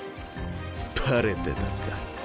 バレてたか。